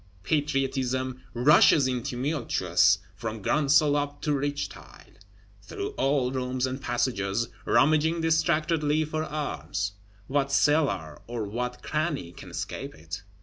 Patriotism rushes in tumultuous, from grunsel up to ridge tile, through all rooms and passages; rummaging distractedly for arms. What cellar or what cranny can escape it?